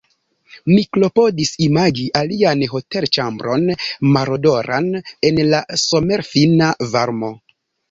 Mi klopodis imagi alian hotelĉambron, marodoran, en la somerfina varmo.